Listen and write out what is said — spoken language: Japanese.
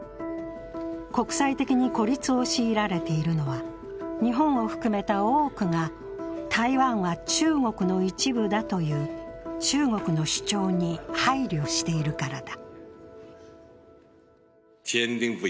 国際的に孤立を強いられているのは日本を含めた多くが台湾は中国の一部だという中国の主張に配慮しているからだ。